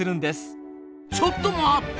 ちょっと待った！